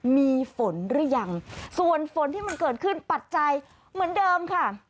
มีฝนหรือยังส่วนฝนที่มันเกิดขึ้นปัจจัยเหมือนเดิมค่ะ